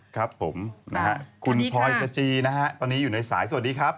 ครับผมคุณพลอยซาจีนะครับตอนนี้อยู่ในสายสวัสดีครับ